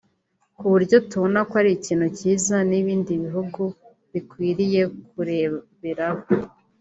ku buryo tubona ko ari ikintu cyiza n’ibindi bihugu bikwiriye kureberaho